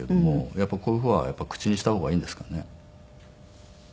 やっぱりこういう事は口にした方がいいんですかね？